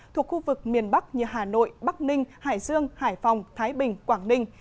thuộc khu vực miền bắc như hà nội bắc ninh hải dương hải phòng thái bình quảng ninh